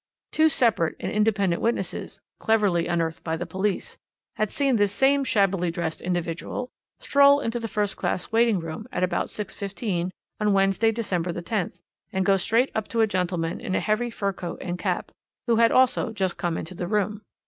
"Two separate and independent witnesses, cleverly unearthed by the police, had seen this same shabbily dressed individual stroll into the first class waiting room at about 6.15 on Wednesday, December the 10th, and go straight up to a gentleman in a heavy fur coat and cap, who had also just come into the room.